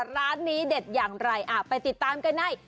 ร้านนี้เด็ดอย่างไรไปติดตามกันใน